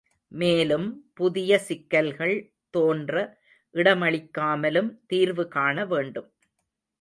மேலும் புதிய சிக்கல்கள் தோன்ற இடமளிக்காமலும் தீர்வு காண வேண்டும்.